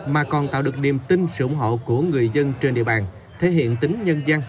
mà còn tạo được niềm tin sự ủng hộ của người dân trên địa bàn thể hiện tính nhân dân